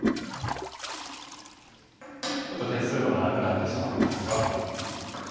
ちょっと手数が長くなってしまうんですが。